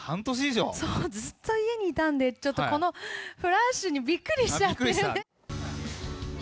そう、ずっと家にいたんで、ちょっとこのフラッシュにびっくりしちゃっびっくりした？